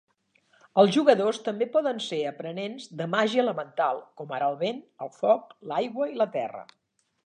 Els jugadors també poden ser aprenents de màgia elemental, com ara el vent, el foc, l'aigua i la terra.